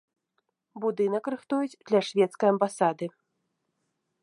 Будынак рыхтуюць для шведскай амбасады.